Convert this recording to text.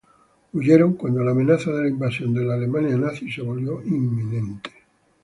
Huyeron cuando la amenaza de la invasión de la Alemania nazi se volvió inminente.